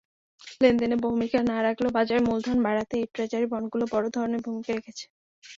লেনদেনে ভূমিকা না রাখলেও বাজার মূলধন বাড়াতে এই ট্রেজারি বন্ডগুলো বড় ধরনের ভূমিকা রেখেছে।